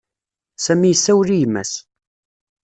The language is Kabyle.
Sami issawel i yemma-s.